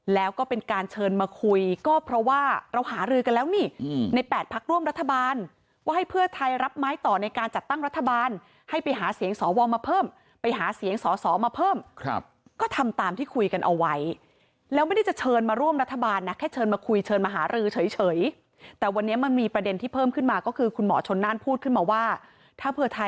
แล้วก็เป็นการเชิญมาคุยก็เพราะว่าเราหารือกันแล้วนี่ในแปดพักร่วมรัฐบาลว่าให้เพื่อไทยรับไม้ต่อในการจัดตั้งรัฐบาลให้ไปหาเสียงสอวองมาเพิ่มไปหาเสียงสอสอมาเพิ่มครับก็ทำตามที่คุยกันเอาไว้แล้วไม่ได้จะเชิญมาร่วมรัฐบาลน่ะแค่เชิญมาคุยเชิญมาหารือเฉยเฉยแต่วันนี้มันมีประเด็นท